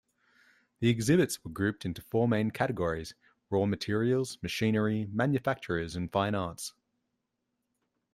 The exhibits were grouped into four main categories-Raw Materials, Machinery, Manufacturers and Fine Arts.